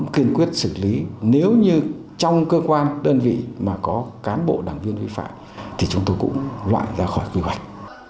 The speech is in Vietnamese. kiên quyết xử lý nếu như trong cơ quan đơn vị mà có cán bộ đảng viên vi phạm thì chúng tôi cũng loại ra khỏi quy hoạch